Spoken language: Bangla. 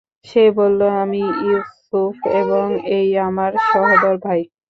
সে বলল, আমিই ইউসুফ এবং এই আমার সহোদর ভাই।